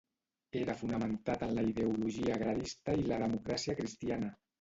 Era fonamentat en la ideologia agrarista i la democràcia cristiana.